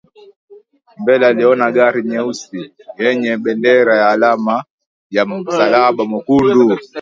Mbele aliona gari nyeusi yenye bendera ya alama ya msalaba mwekundu